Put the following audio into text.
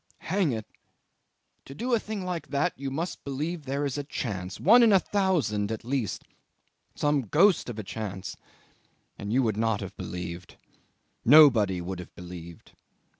Hang it to do a thing like that you must believe there is a chance, one in a thousand, at least, some ghost of a chance; and you would not have believed. Nobody would have believed.